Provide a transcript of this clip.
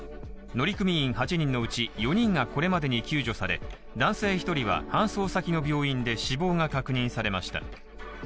乗組員８人のうち４人がこれまでに救助され男性１人は搬送先の病院で死亡が確認されました。